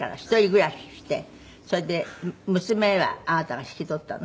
それで娘はあなたが引き取ったの？